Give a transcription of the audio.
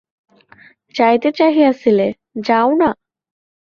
যাইতে চাহিয়াছিলে, যাও-না।